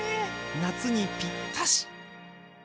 夏にぴったし！